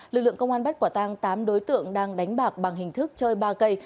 lực lượng công an bách quả tăng tám đối tượng đang đánh bạc bằng hình thức chơi ba cây